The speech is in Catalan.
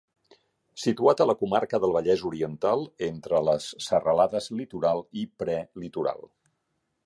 Situat a la comarca del Vallès Oriental, entre les serralades Litoral i Prelitoral.